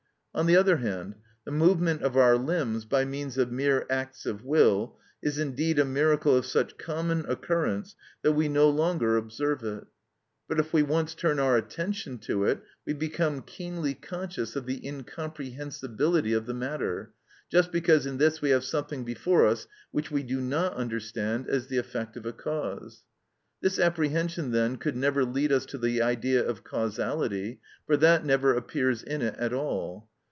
On the other hand, the movement of our limbs by means of mere acts of will is indeed a miracle of such common occurrence that we no longer observe it; but if we once turn our attention to it we become keenly conscious of the incomprehensibility of the matter, just because in this we have something before us which we do not understand as the effect of a cause. This apprehension, then, could never lead us to the idea of causality, for that never appears in it at all.